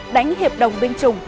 đánh hiệp đồng binh chủng